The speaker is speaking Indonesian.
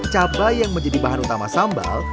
cabai yang menjadi bahan utama sambal